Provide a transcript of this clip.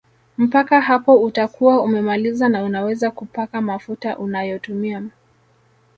Mpaka hapo utakuwa umemaliza na unaweza kupaka mafuta unayotumia